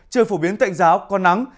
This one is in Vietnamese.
trời phổ biến tệnh giáo con nắng